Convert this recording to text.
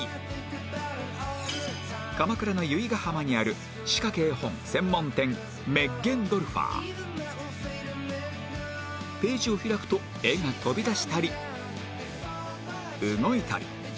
鎌倉の由比ガ浜にあるページを開くと絵が飛び出したり動いたり